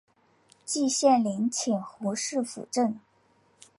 季羡林请胡适斧正。